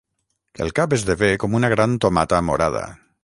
El cap esdevé com una gran tomata morada.